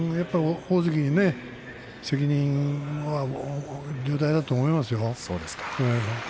大関の責任は重大だと思いますよ。